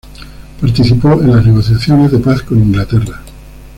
Participó en las negociaciones de paz con Inglaterra.